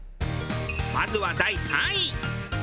まずは第３位。